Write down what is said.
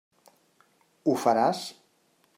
Ho faràs?